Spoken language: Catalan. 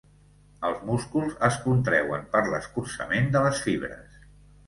Els músculs es contreuen per l'escurçament de les fibres.